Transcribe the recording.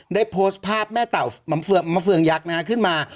ได้โพสต์ภาพแม่เต่ามะเฟืองยักษ์ขึ้นมา